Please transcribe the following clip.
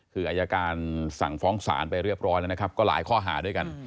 คืออายการสั่งฟ้องศาลไปเรียบร้อยแล้วนะครับก็หลายข้อหาด้วยกัน